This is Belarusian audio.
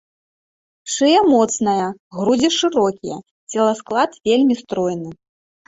Шыя моцная, грудзі шырокія, целасклад вельмі стройны.